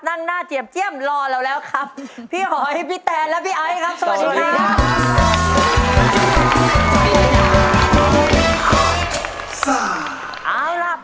นั่งหน้าเจียบเจี้ยมรอเราแล้วครับพี่หอยพี่แตนและพี่ไอ้ครับสวัสดีครับ